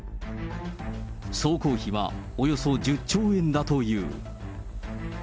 総工費はおよそ１０兆円だという。